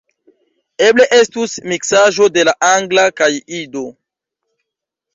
Eble estus miksaĵo de la Angla kaj Ido.